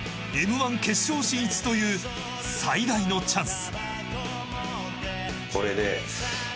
１決勝進出という最大のチャンス。